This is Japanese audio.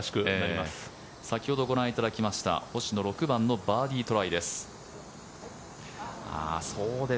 先ほどご覧いただきました星野６番のバーディートライです。